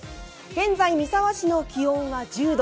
現在三沢市の気温は１０度。